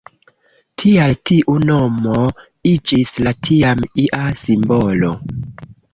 Tial tiu nomo iĝis de tiam ia simbolo.